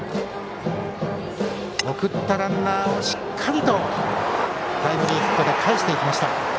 送ったランナーをしっかりとタイムリーヒットでかえしていきました。